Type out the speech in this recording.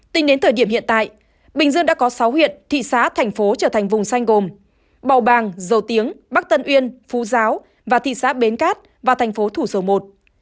tính đến thời điểm hiện tại bình dương đã có sáu huyện thị xã thành phố trở thành vùng xanh gồm bầu bàng dầu tiếng bắc tân uyên phú giáo và thị xã bến cát và thành phố thủ dầu một